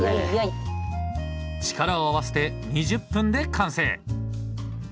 力を合わせて２０分で完成！